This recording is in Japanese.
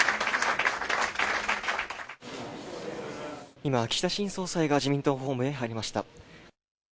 今、岸田新総裁が自民党本部へ入りました。